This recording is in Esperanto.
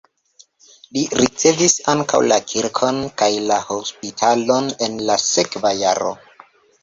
Li ricevis ankaŭ la kirkon kaj la hospitalon en la sekva jaro.